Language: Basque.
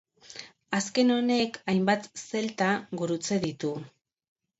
Azken honek hainbat Zelta gurutze ditu.